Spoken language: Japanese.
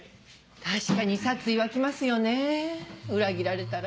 確かに殺意湧きますよね裏切られたら。